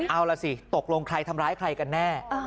เอาล่ะสิตกลงใครทำร้ายใครกันแน่